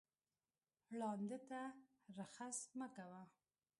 ړانده ته رخس مه کوه